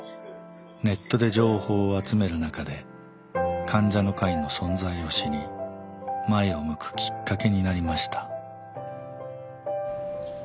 ネットで情報を集める中で患者の会の存在を知り前を向くきっかけになりました。